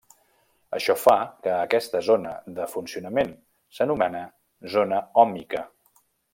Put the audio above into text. Això fa que a aquesta zona de funcionament s'anomena zona òhmica.